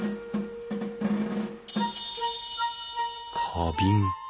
花瓶。